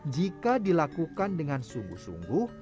jika dilakukan dengan sungguh sungguh